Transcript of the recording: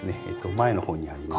前の方にあります。